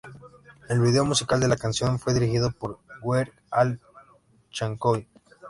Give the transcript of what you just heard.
El video musical de la canción fue dirigido por "Weird Al" Yankovic.